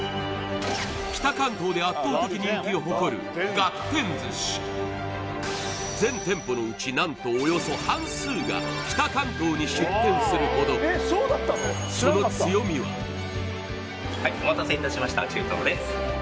北関東で圧倒的人気を誇るがってん寿司全店舗のうち何とおよそ半数が北関東に出店するほどそのはいお待たせいたしました中とろです